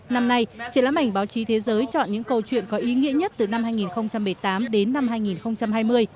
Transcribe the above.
năm nay triển lãm ảnh báo chí thế giới chọn những câu chuyện có ý nghĩa nhất từ năm hai nghìn một mươi tám đến năm hai nghìn hai mươi